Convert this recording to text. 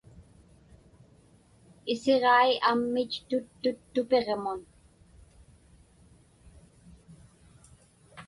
Isiġai ammit tuttut tupiġmun.